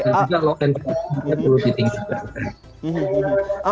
jadi kalau penindakan ini perlu ditingkatkan